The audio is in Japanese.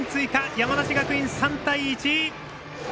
山梨学院、３対１！